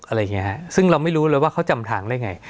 อะไรอย่างนี้ฮะซึ่งเราไม่รู้เลยว่าเขาจำทางได้ไง